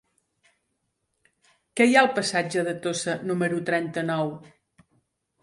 Què hi ha al passatge de Tossa número trenta-nou?